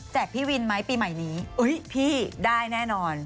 พี่วินไหมปีใหม่นี้พี่ได้แน่นอน